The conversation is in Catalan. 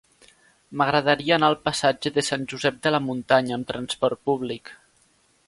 M'agradaria anar al passatge de Sant Josep de la Muntanya amb trasport públic.